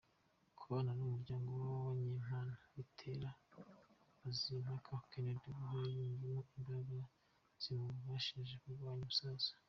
Kubana n’umuryango w’abanyempano, bitera Mazimpaka Kennedy guhora yiyumvamo imbaraga zimubashisha kurwanya ubusaza.